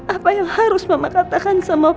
apa yang harus mama katakan sama kamu